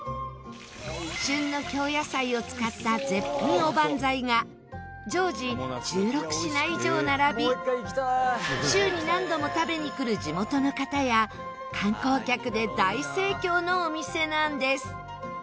旬の京野菜を使った絶品おばんざいが常時１６品以上並び週に何度も食べに来る地元の方や観光客で大盛況のお店なんです。